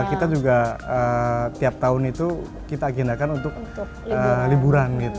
kita juga tiap tahun itu kita agendakan untuk liburan gitu